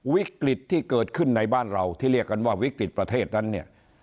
วิกฤตที่เกิดขึ้นในบ้านเราที่เรียกกันว่าวิกฤตประเทศนั้นเนี่ย